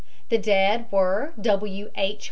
The dead were W. H.